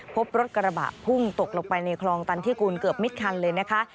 พบรถกระบะพุ่งตกลงไปในคลองตันทิกูลเกือบมิดคันเลยนะคะ